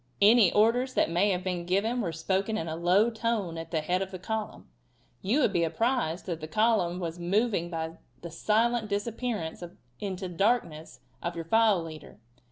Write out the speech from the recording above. Any orders that may have been given were spoken in a low tone at the head of the column. You would be apprised that the column was moving by the silent disappearance in the darkness of your file leader.